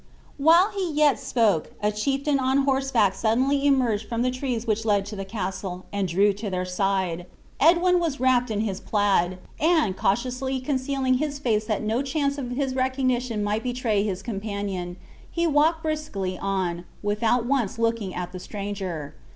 While he yet spoke, a chieftain on horseback suddenly emerged from the trees which led to the castle, and drew to their side. Edwin was wrapped in his plaid, and, cautiously concealing his face that no chance of his recognition might betray his companion, he walked briskly on, without once looking at the stranger.